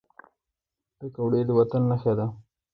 پکورې د وطن نښه ده